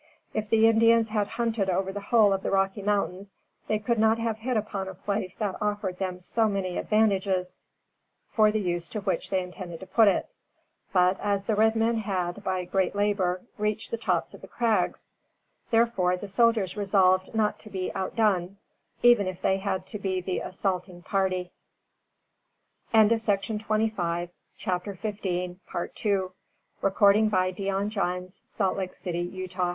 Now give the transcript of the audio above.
If the Indians had hunted over the whole of the Rocky Mountains they could not have hit upon a place that offered them so many advantages for the use to which they intended to put it; but, as the red men had, by great labor, reached the tops of the crags, therefore, the soldiers resolved not to be outdone, even if they had to be the assaulting party. The strength of the Apaches amounted to eight lodges, or two hundred and forty warriors; and, as they